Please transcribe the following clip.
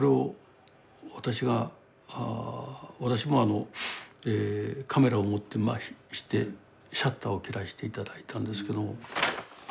私もカメラを持ってましてシャッターを切らして頂いたんですけども。